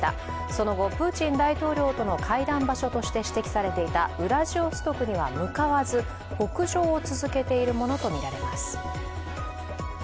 その後、プーチン大統領との会談場所として指摘されていたウラジオストクには向かわず、北上を続けているものとみられます。